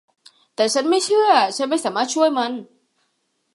แต่ฉันไม่เชื่อ ฉันไม่สามารถช่วยมัน